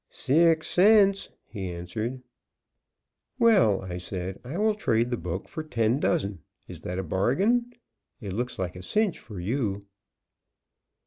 "Six cents," he answered. "Well," I said, "I will trade the book for ten dozen. Is that a bargain? It looks like a cinch for you."